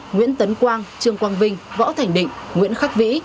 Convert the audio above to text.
nguyễn tấn quang trương quang vinh võ thành định nguyễn khắc vĩ